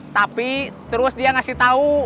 tapi terus dia ngasih tahu